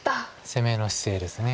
攻めの姿勢です。